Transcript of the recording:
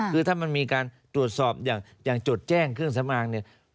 คือถ้ามันมีการตรวจสอบอย่างจดแจ้งเครื่องสำอางเนี่ย